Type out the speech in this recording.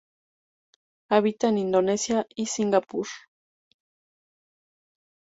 Habita en Indonesia y Singapur.